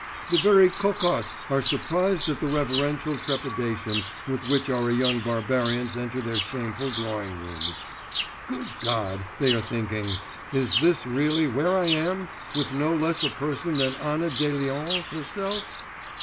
The very cocottes are surprised at the reverential trepidation with which our young barbarians enter their shameful drawing rooms. "Good God!" they are thinking, "is this really where I am, with no less a person than Anna Deslions herself!"